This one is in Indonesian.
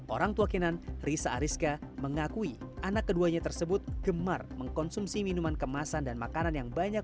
orang tua kenan risa ariska mengakui anak keduanya tersebut gemar mengkonsumsi minuman kemasan dan makanan yang banyak